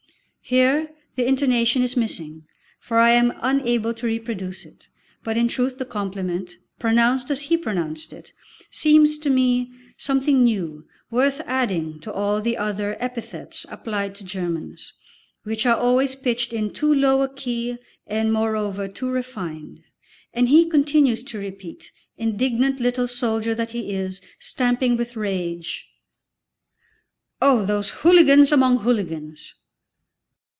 Here the intonation is missing, for I am unable to reproduce it, but in truth the compliment, pronounced as he pronounced it, seems to me something new, worth adding to all the other epithets applied to Germans, which are always pitched in too low a key and moreover too refined; and he continues to repeat, indignant little soldier that he is, stamping with rage: "Oh those hooligans among hooligans!"